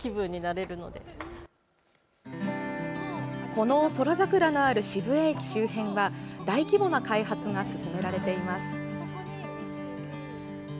この宇宙桜のある渋谷駅周辺は大規模な開発が進められています。